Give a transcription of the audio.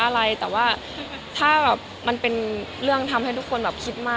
เริ่มออกมากกว่า